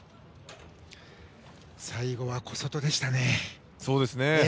最後は小外でしたね。